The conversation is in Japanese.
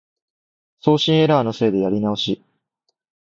送信エラーのせいでやり直し